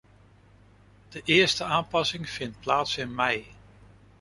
De eerste aanpassing vindt plaats in mei.